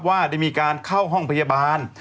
ว่าได้มีการเข้าห้องพยาบาล